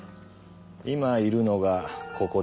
今いるのがここだ。